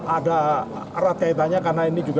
ada erat kaitannya karena ini juga